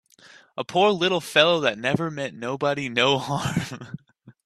A poor little fellow that never meant nobody no harm!